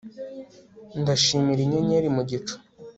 Ndashimira inyenyeri mu gicu